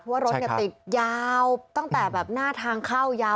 เพราะว่ารถอย่างติดยาวตั้งแต่หน้าทางเข้ายาว